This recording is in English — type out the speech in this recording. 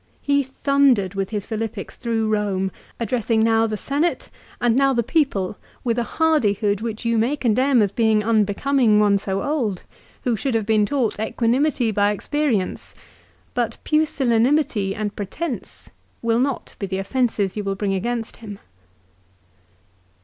He thundered with his Philippics through Eome, addressing now the Senate, and now the 230 LIFE OF CICERO. people, with a hardihood which you may condemn as being unbecoming one so old, who should have been taught equanimity by experience; but pusillanimity and pretence will not be the offences you will bring against him.